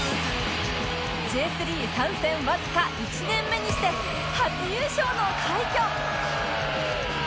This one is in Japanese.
Ｊ３ 参戦わずか１年目にして初優勝の快挙！